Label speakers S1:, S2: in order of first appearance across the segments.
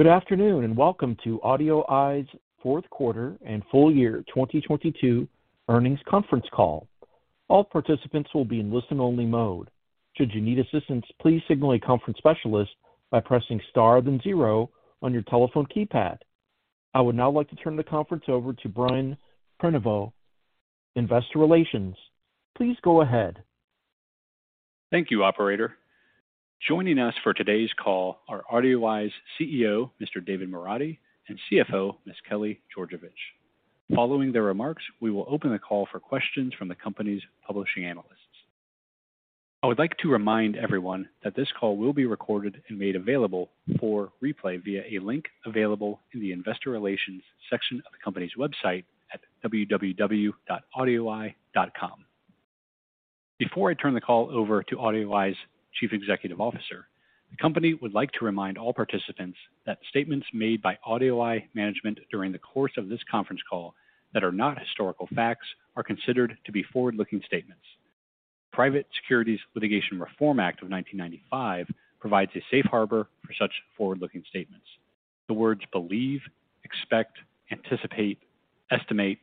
S1: Good afternoon, welcome to AudioEye's Fourth Quarter and Full Year 2022 Earnings Conference Call. All participants will be in listen-only mode. Should you need assistance, please signal a conference specialist by pressing star then zero on your telephone keypad. I would now like to turn the conference over to Brian Prenoveau, Investor Relations. Please go ahead.
S2: Thank you, operator. Joining us for today's call are AudioEye's CEO, Mr. David Moradi, and CFO, Ms. Kelly Georgevich. Following their remarks, we will open the call for questions from the company's publishing analysts. I would like to remind everyone that this call will be recorded and made available for replay via a link available in the investor relations section of the company's website at www.audioeye.com. Before I turn the call over to AudioEye's Chief Executive Officer, the company would like to remind all participants that statements made by AudioEye management during the course of this conference call that are not historical facts are considered to be forward-looking statements. Private Securities Litigation Reform Act of 1995 provides a safe harbor for such forward-looking statements. The words believe, expect, anticipate, estimate,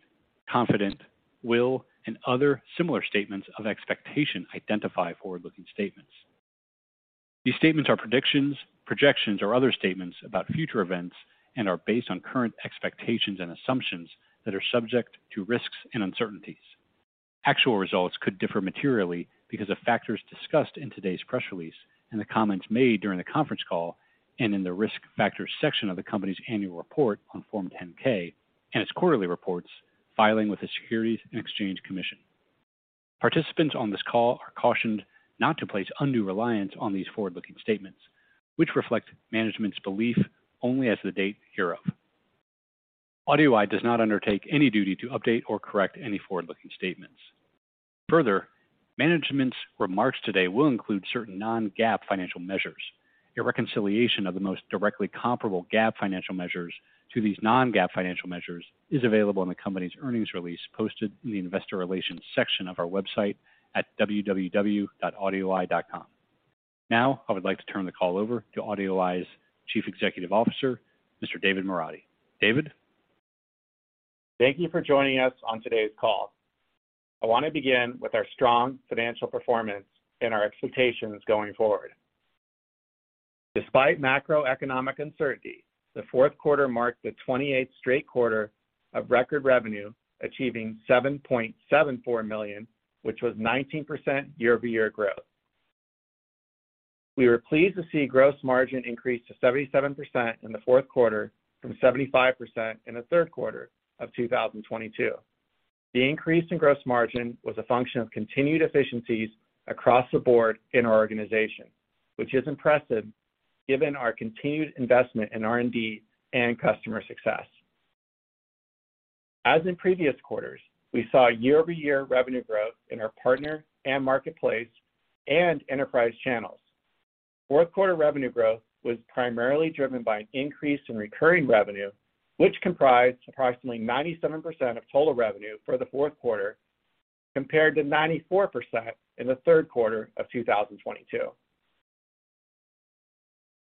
S2: confident, will, and other similar statements of expectation identify forward-looking statements. These statements are predictions, projections, or other statements about future events and are based on current expectations and assumptions that are subject to risks and uncertainties. Actual results could differ materially because of factors discussed in today's press release and the comments made during the conference call and in the Risk Factors section of the company's Annual Report on Form 10-K and its quarterly reports filing with the Securities and Exchange Commission. Participants on this call are cautioned not to place undue reliance on these forward-looking statements, which reflect management's belief only as of the date hereof. AudioEye does not undertake any duty to update or correct any forward-looking statements. Further, management's remarks today will include certain non-GAAP financial measures. A reconciliation of the most directly comparable GAAP financial measures to these non-GAAP financial measures is available in the company's earnings release posted in the investor relations section of our website at www.audioeye.com. I would like to turn the call over to AudioEye's Chief Executive Officer, Mr. David Moradi. David?
S3: Thank you for joining us on today's call. I want to begin with our strong financial performance and our expectations going forward. Despite macroeconomic uncertainty, the 28th straight quarter of record revenue, achieving $7.74 million, which was 19% year-over-year growth. We were pleased to see gross margin increase to 77% in the fourth quarter from 75% in the third quarter of 2022. The increase in gross margin was a function of continued efficiencies across the board in our organization, which is impressive given our continued investment in R&D and customer success. As in previous quarters, we saw year-over-year revenue growth in our partner and marketplace and enterprise channels. Fourth quarter revenue growth was primarily driven by an increase in recurring revenue, which comprised approximately 97% of total revenue for the fourth quarter, compared to 94% in the third quarter of 2022.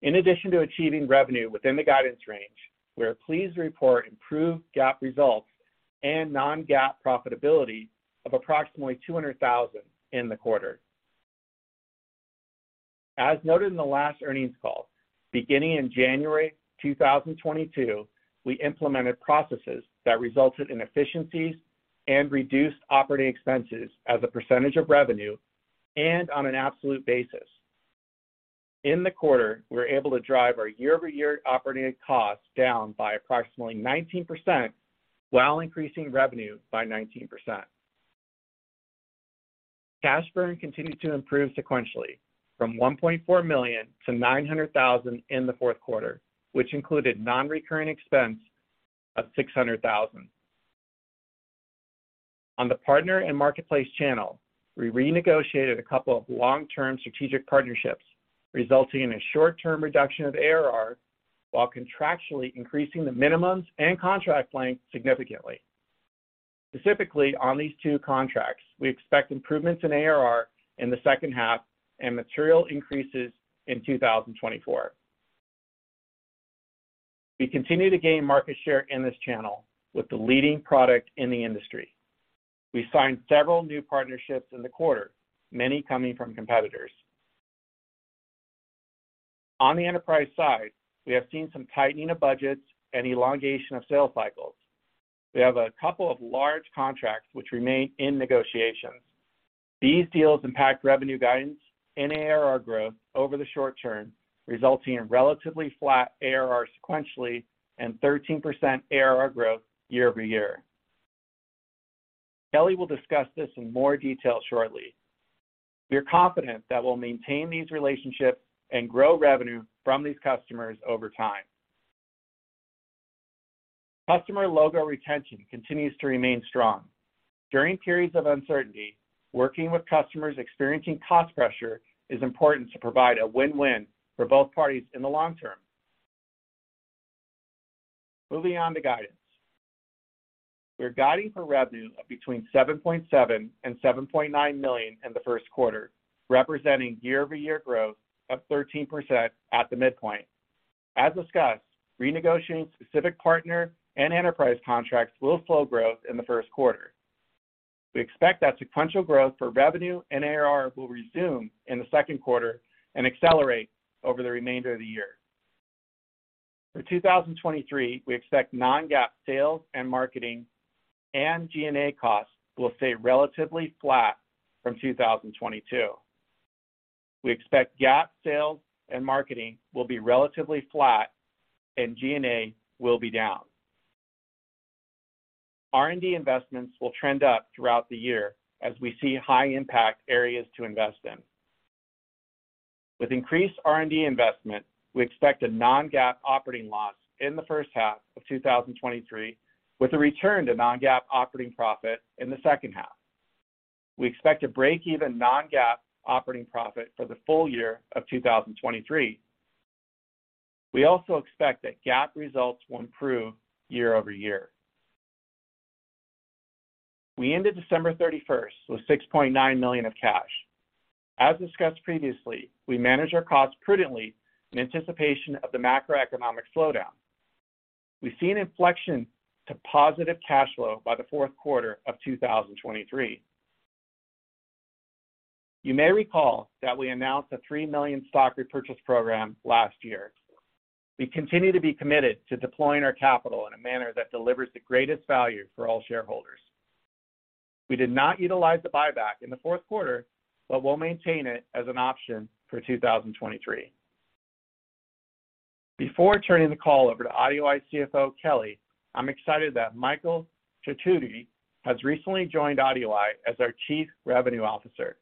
S3: In addition to achieving revenue within the guidance range, we are pleased to report improved GAAP results and non-GAAP profitability of approximately $200,000 in the quarter. As noted in the last earnings call, beginning in January 2022, we implemented processes that resulted in efficiencies and reduced operating expenses as a percentage of revenue and on an absolute basis. In the quarter, we were able to drive our year-over-year operating costs down by approximately 19% while increasing revenue by 19%. Cash burn continued to improve sequentially from $1.4 million to $900,000 in the fourth quarter, which included non-recurring expense of $600,000. On the partner and marketplace channel, we renegotiated a couple of long-term strategic partnerships, resulting in a short-term reduction of ARR while contractually increasing the minimums and contract length significantly. Specifically, on these two contracts, we expect improvements in ARR in the second half and material increases in 2024. We continue to gain market share in this channel with the leading product in the industry. We signed several new partnerships in the quarter, many coming from competitors. On the enterprise side, we have seen some tightening of budgets and elongation of sales cycles. We have a couple of large contracts which remain in negotiations. These deals impact revenue guidance and ARR growth over the short term, resulting in relatively flat ARR sequentially and 13% ARR growth year-over-year. Kelly will discuss this in more detail shortly. We are confident that we'll maintain these relationships and grow revenue from these customers over time. Customer logo retention continues to remain strong. During periods of uncertainty, working with customers experiencing cost pressure is important to provide a win-win for both parties in the long term. Moving on to guidance. We're guiding for revenue of between $7.7 and $7.9 million in the first quarter, representing year-over-year growth of 13% at the midpoint. As discussed, renegotiating specific partner and enterprise contracts will slow growth in the first quarter. We expect that sequential growth for revenue and ARR will resume in the second quarter and accelerate over the remainder of the year. For 2023, we expect non-GAAP sales and marketing and G&A costs will stay relatively flat from 2022. We expect GAAP sales and marketing will be relatively flat and G&A will be down. R&D investments will trend up throughout the year as we see high impact areas to invest in. With increased R&D investment, we expect a non-GAAP operating loss in the first half of 2023, with a return to non-GAAP operating profit in the second half. We expect to break even non-GAAP operating profit for the full year of 2023. We also expect that GAAP results will improve year-over-year. We ended 31st December with $6.9 million of cash. As discussed previously, we managed our costs prudently in anticipation of the macroeconomic slowdown. We see an inflection to positive cash flow by the fourth quarter of 2023. You may recall that we announced a $3 million stock repurchase program last year. We continue to be committed to deploying our capital in a manner that delivers the greatest value for all shareholders. We did not utilize the buyback in the fourth quarter, will maintain it as an option for 2023. Before turning the call over to AudioEye CFO Kelly, I'm excited that Mikel Chertudi has recently joined AudioEye as our Chief Revenue Officer.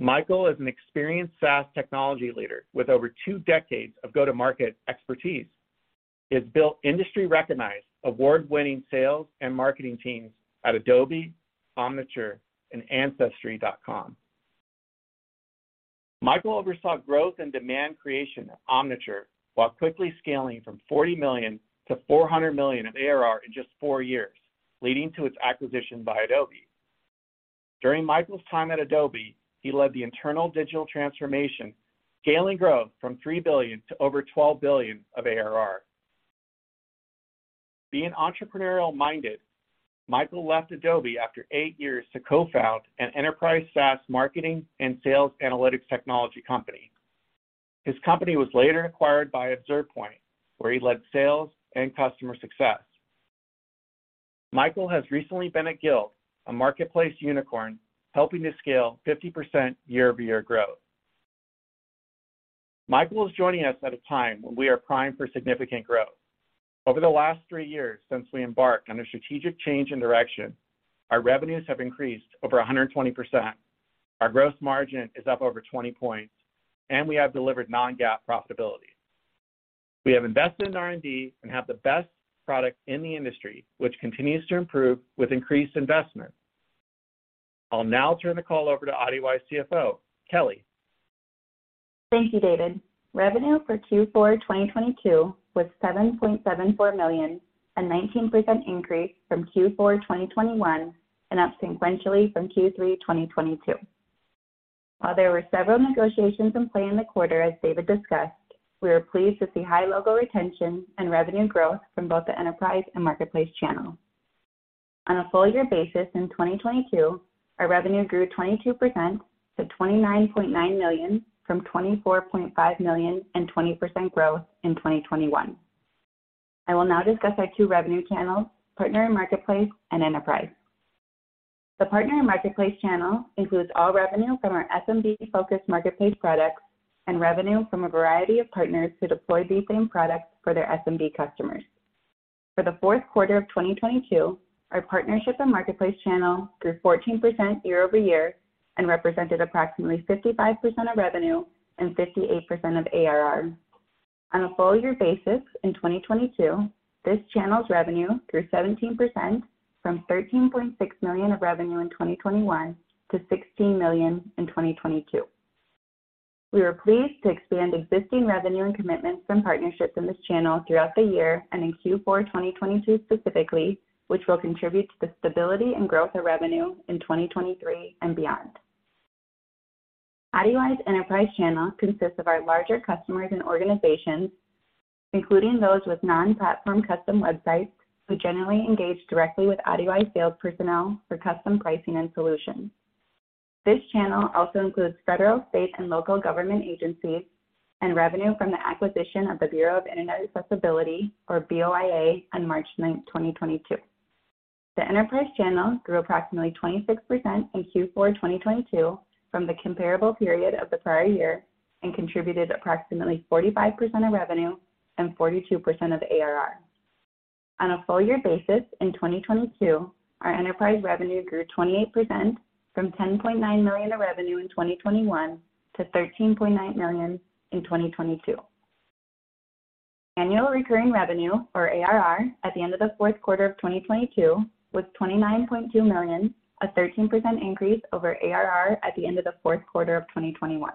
S3: Mikel is an experienced SaaS technology leader with over two decades of go-to-market expertise. He has built industry-recognized, award-winning sales and marketing teams at Adobe, Omniture, and Ancestry.com. Mikel oversaw growth and demand creation at Omniture while quickly scaling from $40 million to $400 million of ARR in just four years, leading to its acquisition by Adobe. During Mikel's time at Adobe, he led the internal digital transformation, scaling growth from $3 billion to over $12 billion of ARR. Being entrepreneurial-minded, Mikel left Adobe after eight years to co-found an enterprise SaaS marketing and sales analytics technology company. His company was later acquired by ObservePoint, where he led sales and customer success. Mikel has recently been at Guild, a marketplace unicorn, helping to scale 50% year-over-year growth. Mikel is joining us at a time when we are primed for significant growth. Over the last three years since we embarked on a strategic change in direction, our revenues have increased over 120%. Our gross margin is up over 20 points, and we have delivered non-GAAP profitability. We have invested in R&D and have the best product in the industry, which continues to improve with increased investment. I'll now turn the call over to AudioEye CFO, Kelly.
S4: Thank you, David. Revenue for Q4 2022 was $7.74 million, a 19% increase from Q4 2021 and up sequentially from Q3 2022. While there were several negotiations in play in the quarter, as David discussed, we are pleased to see high logo retention and revenue growth from both the enterprise and marketplace channels. On a full year basis in 2022, our revenue grew 22% to $29.9 million from $24.5 million and 20% growth in 2021. I will now discuss our two revenue channels, partner and marketplace and enterprise. The partner and marketplace channel includes all revenue from our SMB-focused marketplace products and revenue from a variety of partners who deploy these same products for their SMB customers. For the fourth quarter of 2022, our partnership and marketplace channel grew 14% year-over-year and represented approximately 55% of revenue and 58% of ARR. On a full year basis in 2022, this channel's revenue grew 17% from $13.6 million of revenue in 2021 to $16 million in 2022. We were pleased to expand existing revenue and commitments from partnerships in this channel throughout the year and in Q4 2022 specifically, which will contribute to the stability and growth of revenue in 2023 and beyond. AudioEye's enterprise channel consists of our larger customers and organizations, including those with non-platform custom websites, who generally engage directly with AudioEye sales personnel for custom pricing and solutions. This channel also includes federal, state, and local government agencies and revenue from the acquisition of the Bureau of Internet Accessibility or BOIA on 9 March 2022. The enterprise channel grew approximately 26% in Q4 2022 from the comparable period of the prior year and contributed approximately 45% of revenue and 42% of ARR. On a full year basis in 2022, our enterprise revenue grew 28% from $10.9 million of revenue in 2021 to $13.9 million in 2022. Annual recurring revenue or ARR at the end of the fourth quarter of 2022 was $29.2 million, a 13% increase over ARR at the end of the fourth quarter of 2021.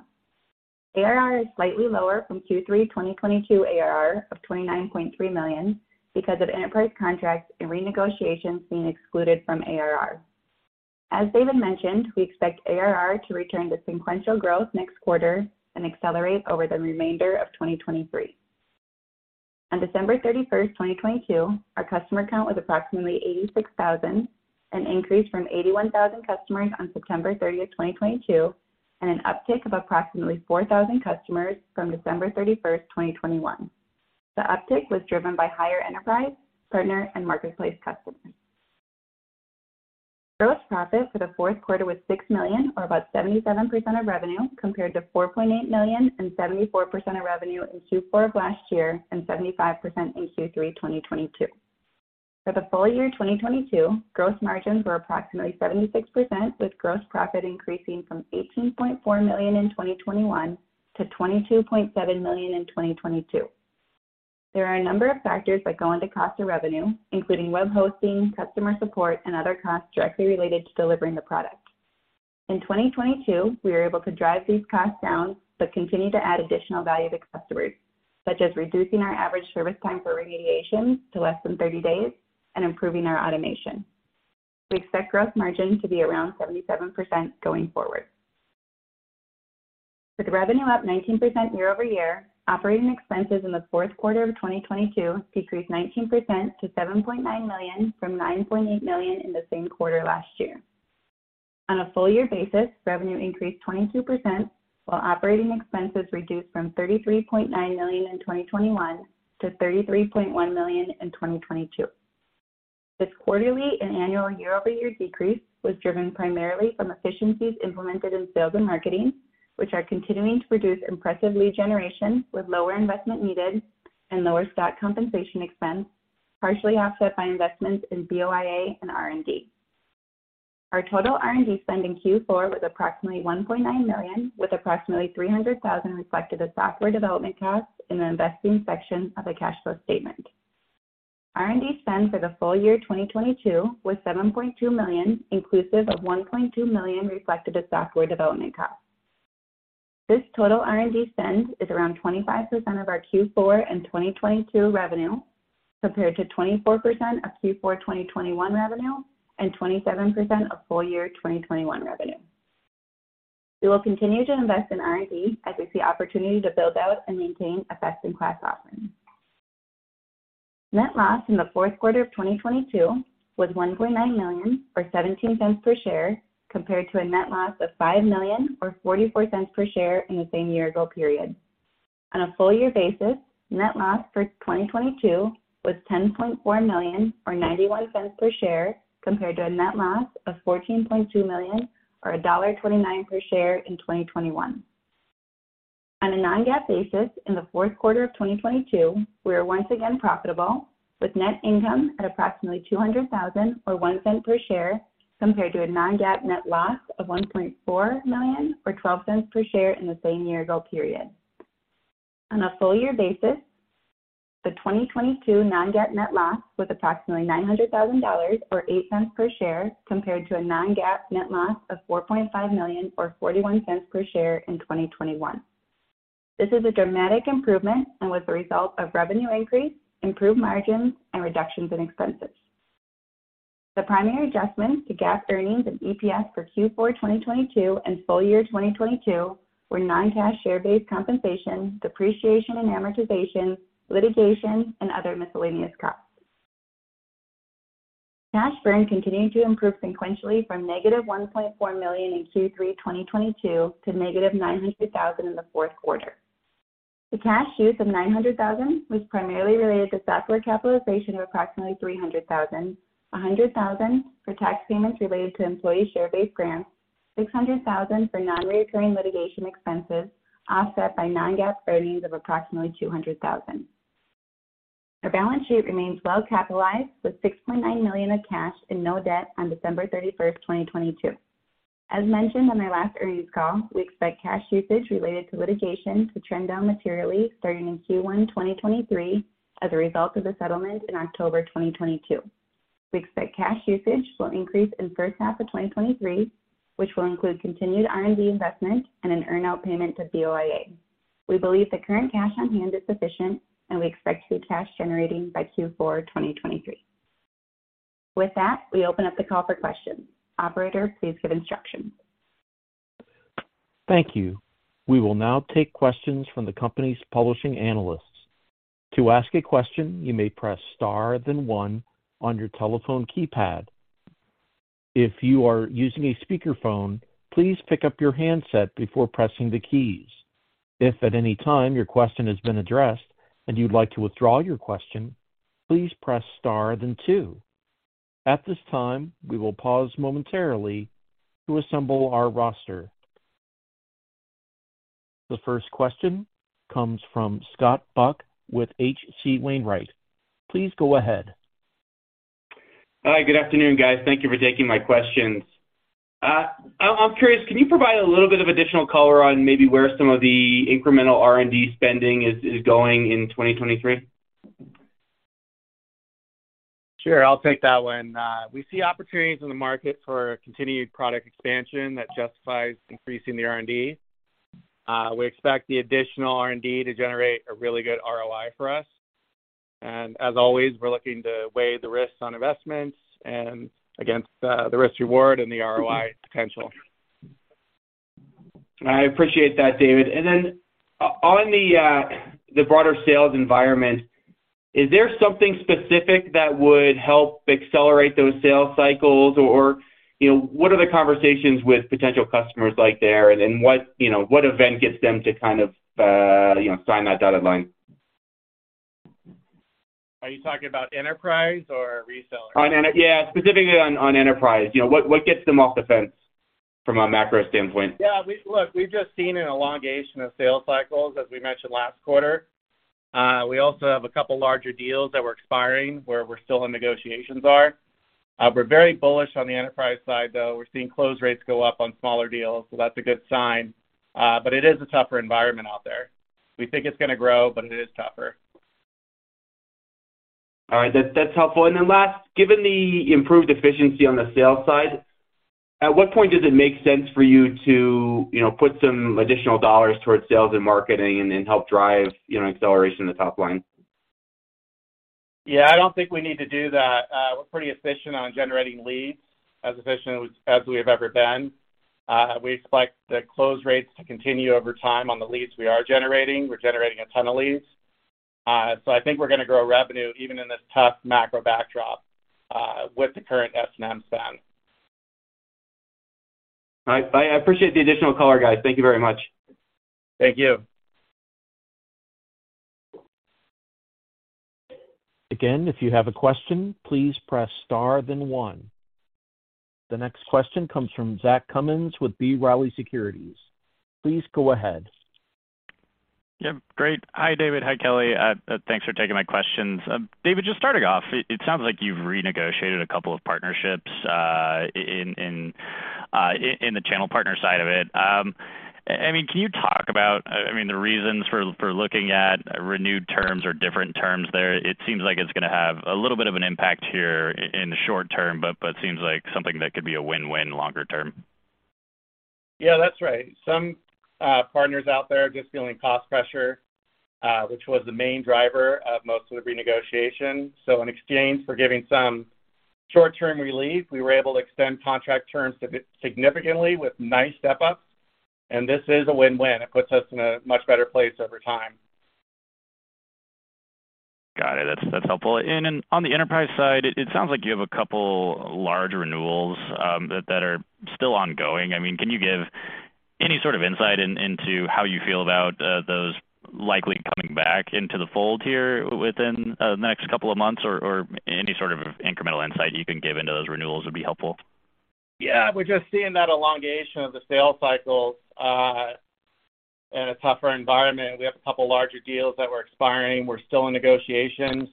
S4: ARR is slightly lower from Q3 2022 ARR of $29.3 million because of enterprise contracts and renegotiations being excluded from ARR. As David mentioned, we expect ARR to return to sequential growth next quarter and accelerate over the remainder of 2023. On 31st December 2022, our customer count was approximately 86,000, an increase from 81,000 customers on 30th September 2022, and an uptick of approximately 4,000 customers from 31st December 2021. The uptick was driven by higher enterprise, partner, and marketplace customers. Gross profit for the fourth quarter was $6 million or about 77% of revenue compared to $4.8 million and 74% of revenue in Q4 of last year and 75% in Q3 2022. For the full year 2022, gross margins were approximately 76%, with gross profit increasing from $18.4 million in 2021 to $22.7 million in 2022. There are a number of factors that go into cost of revenue, including web hosting, customer support, and other costs directly related to delivering the product. In 2022, we were able to drive these costs down but continue to add additional value to customers, such as reducing our average service time for remediation to less than 30 days and improving our automation. We expect gross margin to be around 77% going forward. With revenue up 19% year-over-year, operating expenses in the fourth quarter of 2022 decreased 19% to $7.9 million from $9.8 million in the same quarter last year. On a full year basis, revenue increased 22% while operating expenses reduced from $33.9 million in 2021 to $33.1 million in 2022. This quarterly and annual year-over-year decrease was driven primarily from efficiencies implemented in sales and marketing, which are continuing to produce impressive lead generation with lower investment needed and lower stock compensation expense, partially offset by investments in BoIA and R&D. Our total R&D spend in Q4 was approximately $1.9 million, with approximately $300,000 reflected as software development costs in the investing section of the cash flow statement. R&D spend for the full year 2022 was $7.2 million, inclusive of $1.2 million reflected as software development costs. This total R&D spend is around 25% of our Q4 and 2022 revenue, compared to 24% of Q4 2021 revenue and 27% of full year 2021 revenue. We will continue to invest in R&D as we see opportunity to build out and maintain a best-in-class offering. Net loss in the fourth quarter of 2022 was $1.9 million or $0.17 per share, compared to a net loss of $5 million or $0.44 per share in the same year-ago period. On a full year basis, net loss for 2022 was $10.4 million or $0.91 per share, compared to a net loss of $14.2 million or $1.29 per share in 2021. On a non-GAAP basis, in the fourth quarter of 2022, we are once again profitable with net income at approximately $200,000 or $0.01 per share, compared to a non-GAAP net loss of $1.4 million or $0.12 per share in the same year-ago period. On a full year basis, the 2022 non-GAAP net loss was approximately $900,000 or $0.08 per share, compared to a non-GAAP net loss of $4.5 million or $0.41 per share in 2021. This is a dramatic improvement and was the result of revenue increase, improved margins, and reductions in expenses. The primary adjustments to GAAP earnings and EPS for Q4 2022 and full year 2022 were non-cash share-based compensation, depreciation and amortization, litigation, and other miscellaneous costs. Cash burn continued to improve sequentially from negative $1.4 million in Q3 2022 to negative $900,000 in the fourth quarter. The cash use of $900,000 was primarily related to software capitalization of approximately $300,000, $100,000 for tax payments related to employee share-based grants, $600,000 for non-recurring litigation expenses, offset by non-GAAP earnings of approximately $200,000. Our balance sheet remains well capitalized with $6.9 million of cash and no debt on December 31st, 2022. As mentioned on our last earnings call, we expect cash usage related to litigation to trend down materially starting in Q1 2023 as a result of the settlement in October 2022. We expect cash usage will increase in first half of 2023, which will include continued R&D investment and an earn-out payment to BoIA. We believe the current cash on hand is sufficient and we expect to be cash generating by Q4 2023. With that, we open up the call for questions. Operator, please give instructions.
S1: Thank you. We will now take questions from the company's publishing analysts. To ask a question, you may press star then one on your telephone keypad. If you are using a speakerphone, please pick up your handset before pressing the keys. If at any time your question has been addressed and you'd like to withdraw your question, please press star then two. At this time, we will pause momentarily to assemble our roster. The first question comes from Scott Buck with H.C. Wainwright. Please go ahead.
S5: Hi. Good afternoon, guys. Thank you for taking my questions. I'm curious, can you provide a little bit of additional color on maybe where some of the incremental R&D spending is going in 2023?
S3: Sure, I'll take that one. We see opportunities in the market for continued product expansion that justifies increasing the R&D. We expect the additional R&D to generate a really good ROI for us. As always, we're looking to weigh the risks on investments and against the risk reward and the ROI potential.
S5: I appreciate that, David. On the broader sales environment, is there something specific that would help accelerate those sales cycles? Or, you know, what are the conversations with potential customers like there, and what, you know, what event gets them to kind of, you know, sign that dotted line?
S3: Are you talking about enterprise or resellers?
S5: Yeah, specifically on enterprise. You know, what gets them off the fence from a macro standpoint?
S3: Look, we've just seen an elongation of sales cycles, as we mentioned last quarter. We also have a couple larger deals that were expiring where we're still in negotiations are. We're very bullish on the enterprise side, though. We're seeing close rates go up on smaller deals, that's a good sign. It is a tougher environment out there. We think it's gonna grow, but it is tougher.
S5: All right, that's helpful. Last, given the improved efficiency on the sales side, at what point does it make sense for you to, you know, put some additional dollars towards sales and marketing and then help drive, you know, acceleration in the top line?
S3: Yeah, I don't think we need to do that. We're pretty efficient on generating leads, as efficient as we have ever been. We expect the close rates to continue over time on the leads we are generating. We're generating a ton of leads. I think we're gonna grow revenue even in this tough macro backdrop with the current S&M spend.
S5: All right. I appreciate the additional color, guys. Thank you very much.
S3: Thank you.
S1: If you have a question, please press star then one. The next question comes from Zach Cummins with B. Riley Securities. Please go ahead.
S6: Great. Hi, David. Hi, Kelly. Thanks for taking my questions. David, just starting off, it sounds like you've renegotiated a couple of partnerships in the channel partner side of it. Can you talk about, I mean, the reasons for looking at renewed terms or different terms there? It seems like it's gonna have a little bit of an impact here in the short term, but seems like something that could be a win-win longer term.
S3: Yeah, that's right. Some partners out there are just feeling cost pressure, which was the main driver of most of the renegotiation. In exchange for giving some short-term relief, we were able to extend contract terms significantly with nice step-ups. This is a win-win. It puts us in a much better place over time.
S6: Got it. That's helpful. Then on the enterprise side, it sounds like you have a couple larger renewals that are still ongoing. I mean, can you give any sort of insight into how you feel about those likely coming back into the fold here within the next couple of months? Any sort of incremental insight you can give into those renewals would be helpful.
S3: Yeah. We're just seeing that elongation of the sales cycles, in a tougher environment. We have a couple larger deals that were expiring. We're still in negotiations.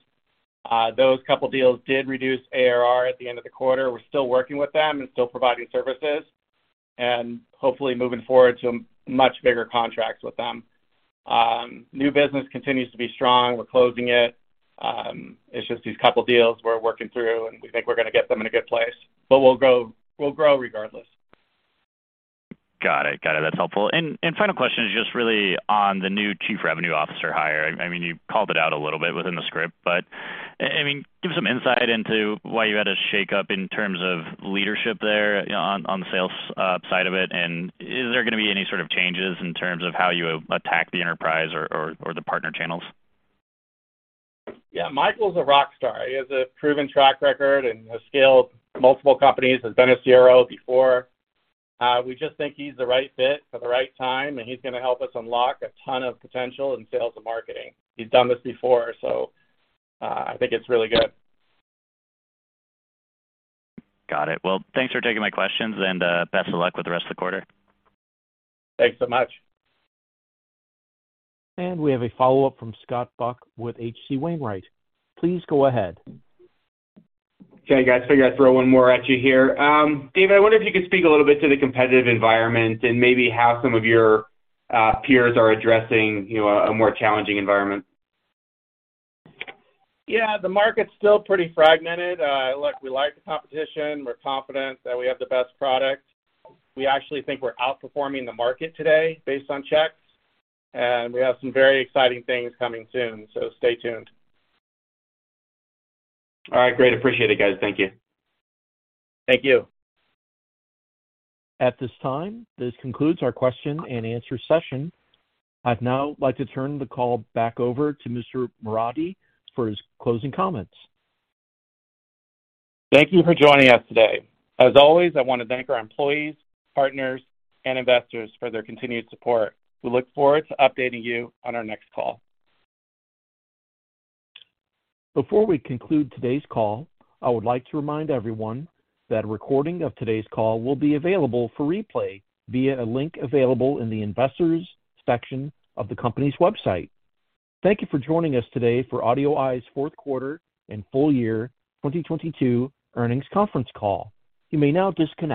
S3: Those couple deals did reduce ARR at the end of the quarter. We're still working with them and still providing services and hopefully moving forward to much bigger contracts with them. New business continues to be strong. We're closing it. It's just these couple deals we're working through, and we think we're gonna get them in a good place. We'll grow regardless.
S6: Got it. Got it. That's helpful. Final question is just really on the new Chief Revenue Officer hire. I mean, you called it out a little bit within the script, but, I mean, give some insight into why you had a shakeup in terms of leadership there on the sales side of it. Is there gonna be any sort of changes in terms of how you attack the enterprise or the partner channels?
S3: Yeah. Mikel's a rock star. He has a proven track record and has scaled multiple companies. He's been a CRO before. We just think he's the right fit for the right time, and he's gonna help us unlock a ton of potential in sales and marketing. He's done this before. I think it's really good.
S6: Got it. Well, thanks for taking my questions, and best of luck with the rest of the quarter.
S3: Thanks so much.
S1: We have a follow-up from Scott Buck with H.C. Wainwright. Please go ahead.
S5: Okay, guys. Figure I'd throw one more at you here. David, I wonder if you could speak a little bit to the competitive environment and maybe how some of your peers are addressing, you know, a more challenging environment.
S3: Yeah. The market's still pretty fragmented. Look, we like the competition. We're confident that we have the best product. We actually think we're outperforming the market today based on checks. We have some very exciting things coming soon. Stay tuned.
S5: All right, great. Appreciate it, guys. Thank you.
S3: Thank you.
S1: At this time, this concludes our question-and-answer session. I'd now like to turn the call back over to Mr. Moradi for his closing comments.
S3: Thank you for joining us today. As always, I want to thank our employees, partners, and investors for their continued support. We look forward to updating you on our next call.
S1: Before we conclude today's call, I would like to remind everyone that a recording of today's call will be available for replay via a link available in the Investors section of the company's website. Thank you for joining us today for AudioEye's fourth quarter and full-year 2022 earnings conference call. You may now disconnect.